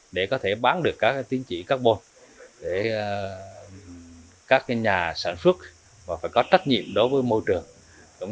để có thể bán được các tính trị carbon để các nhà sản xuất và phải có trách nhiệm đối với môi trường